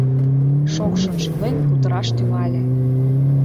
Шокшын шӱлен, кутыраш тӱҥале: